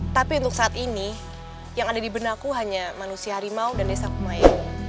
tapi untuk saat ini yang ada di benaku hanya manusia harimau dan desa kumai